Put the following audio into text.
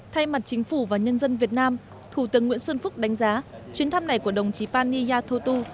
thay mặt chính phủ và nhân dân việt nam thủ tướng nguyễn xuân phúc đánh giá chuyến thăm này của đồng chí pani yathotu